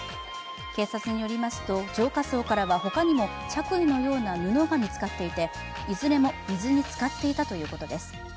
警察によりますと、浄化槽からは他にも着衣のような布が見つかっていていずれも水につかっていたということです。